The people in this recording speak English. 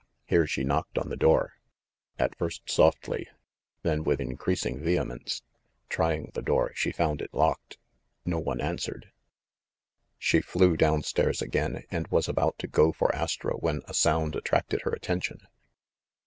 Here she knocked on the door, at first softly, then with increas ing vehemence. Trying the door, she found it locked. No one answered. She flew down stairs again, and was about to go for Astro, when a sound attracted her attention.